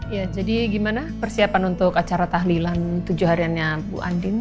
ya jadi gimana persiapan untuk acara tahlilan tujuh hariannya bu andin